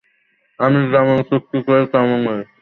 আমি যেমন চুক্তি করি, তেমনই।